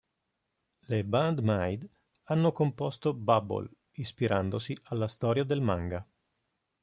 Le Band-Maid hanno composto "Bubble" ispirandosi alla storia del manga.